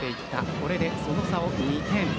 これで、その差を２点。